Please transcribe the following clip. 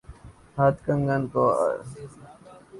ہاتھ کنگن کو آرسی کیا اور پڑھے لکھے کو فارسی کیا